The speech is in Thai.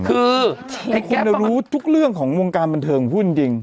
คือคนเรารู้ทุกเรื่องของวงการบันเทิงพูดจริง